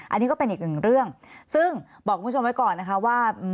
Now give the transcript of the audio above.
อันนี้ก็เป็นอีกหนึ่งเรื่องซึ่งบอกคุณผู้ชมไว้ก่อนนะคะว่า